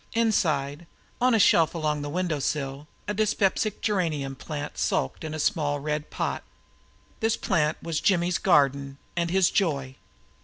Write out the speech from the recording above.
Inside, on a shelf along the windowsill, a dyspeptic geranium plant sulked in a small red pot. This plant was Jimmy's garden and his joy.